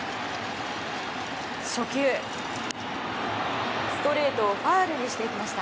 初球、ストレートをファウルにしていきました。